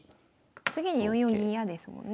次に４四銀嫌ですもんね。